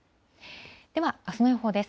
では、あすの予報です。